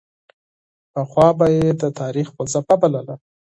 پخوا به یې د تاریخ فلسفه بلله.